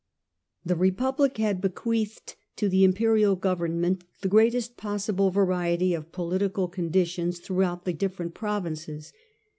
The Republic had bequeathed to the imperial govern ment the greatest possible variety of political conditions throughout the different provinces.